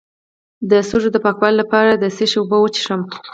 د سږو د پاکوالي لپاره د څه شي اوبه وڅښم؟